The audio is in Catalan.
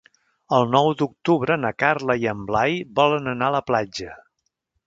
El nou d'octubre na Carla i en Blai volen anar a la platja.